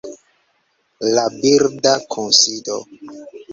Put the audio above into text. La birda kunsido